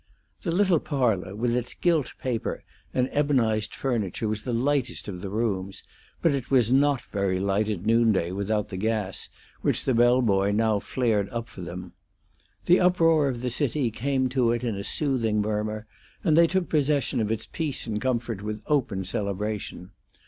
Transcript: The little parlor, with its gilt paper and ebonized furniture, was the lightest of the rooms, but it was not very light at noonday without the gas, which the bell boy now flared up for them. The uproar of the city came to it in a soothing murmur, and they took possession of its peace and comfort with open celebration.